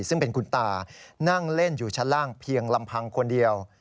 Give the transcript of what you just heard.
ซึ่งเป็นคุณตานั่งเล่นอยู่ชั้นล่างเพียงลำพังคนเดียว